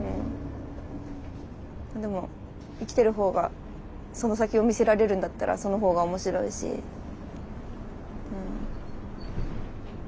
でも生きてる方がその先を見せられるんだったらその方が面白いしうん。